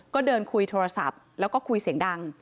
ก็เดินคุยโทรศัพท์แล้วก็คุยเสียงดัง